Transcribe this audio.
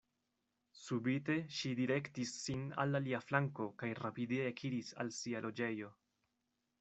Subite ŝi direktis sin al alia flanko kaj rapide ekiris al sia loĝejo.